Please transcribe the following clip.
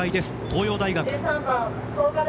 東洋大学。